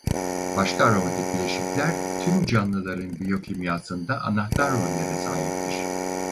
Başka aromatik bileşikler tüm canlıların biyokimyasında anahtar rollere sahiptir.